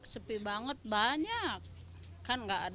sepi banget banyak